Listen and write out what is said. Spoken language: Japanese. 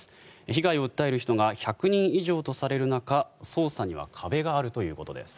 被害を訴える人が１００人以上とされる中捜査には壁があるということです。